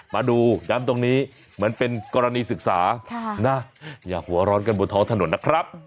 มาดูย้ำตรงนี้เหมือนเป็นกรณีศึกษานะอย่าหัวร้อนกันบนท้องถนนนะครับ